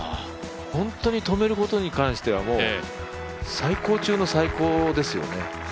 本当に止めることに関しては最高中の最高ですよね。